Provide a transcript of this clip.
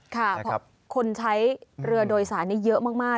ค่ะเพราะคนใช้เรือโดยสารนี้เยอะมาก